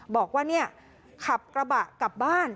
บอกว่าขับกระบะกลับบ้าน